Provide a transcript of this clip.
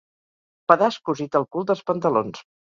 Pedaç cosit al cul dels pantalons.